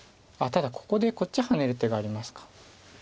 ただここでこっちハネる手がありますか。